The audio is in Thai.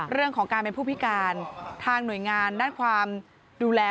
เรื่องของการเป็นผู้พิการทางหน่วยงานด้านความดูแล